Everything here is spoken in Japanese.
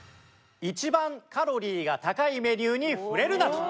一番カロリーが高いメニューにふれるなと。